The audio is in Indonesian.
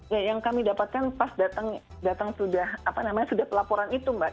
ya yang kami dapatkan pas datang datang sudah pelaporan itu mbak